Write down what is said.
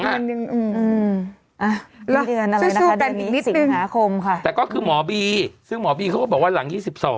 เดือนอะไรนะคะเดือนนี้สิงหาคมค่ะแต่ก็คือหมอบีซึ่งหมอบีเขาก็บอกว่าหลัง๒๒